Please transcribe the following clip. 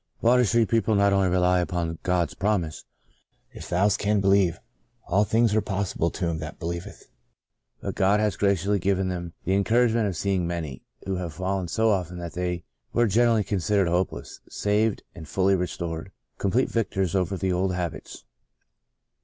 Water Street people not God's Good Man 35 only rely upon God's promise, " If thou canst believe, all things are possible to him that be lieveth," but God has graciously given them the encouragement of seeing many, who have fallen so often that they were generally con sidered hopeless, saved and fully restored, — complete victors over their old habits.